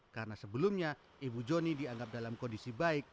karena sebelumnya ibu joni dianggap dalam kondisi baik